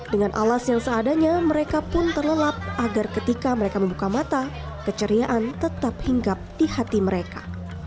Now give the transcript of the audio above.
dengan alas yang seadanya mereka pun terlelap agar ketika mereka membuka mata keceriaan tetap hinggap di hati mereka